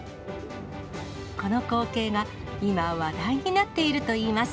この光景が今、話題になっているといいます。